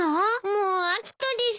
もう飽きたです。